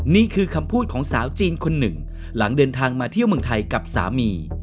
นี่คือคำพูดของสาวจีนคนหนึ่งหลังเดินทางมาเที่ยวเมืองไทยกับสามี